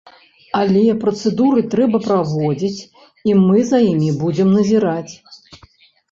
Але працэдуры трэба праводзіць, і мы за імі будзем назіраць.